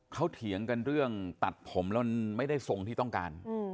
เขาเถียงกันเรื่องตัดผมแล้วมันไม่ได้ทรงที่ต้องการ